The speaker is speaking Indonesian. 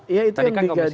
iya itu yang digaji